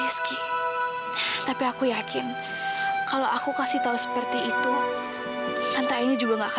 sampai jumpa di video selanjutnya